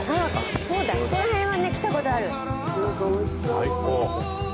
最高。